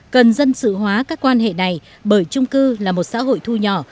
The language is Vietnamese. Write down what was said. cần dân sự hóa các quan hệ này bởi trung cư là một xã hội thu nhỏ